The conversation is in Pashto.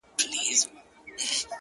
• غلیم ته غشی تر دوست قربان یم ,